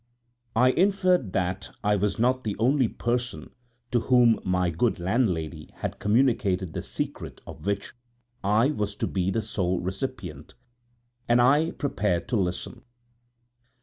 I inferred that I was not the only person to whom my good landlady had communicated the secret of which I was to be the sole recipient, and I prepared to listen.